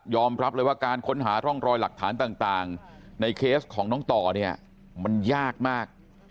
รับเลยว่าการค้นหาร่องรอยหลักฐานต่างในเคสของน้องต่อเนี่ยมันยากมาก